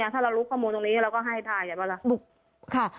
ถ้าเรารู้ข้อมูลตรงนี้เราก็ให้ได้ป่ะล่ะ